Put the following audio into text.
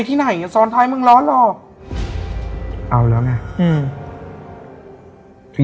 ที่ไหนอ่ะซ้อนไทยมันร้อนหรอกเอาแล้วไงอืม